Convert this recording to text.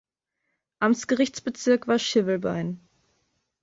Amtsgerichtsbezirk war Schivelbein.